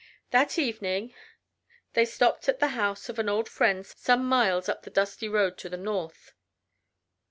That evening they stopped at the house of an old friend some miles up the dusty road to the north.